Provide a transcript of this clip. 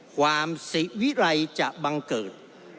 ความสิวิรัยจะบังเกิด